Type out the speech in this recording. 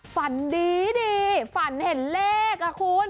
ฝันดีดีฝันเห็นเลขอ่ะคุณ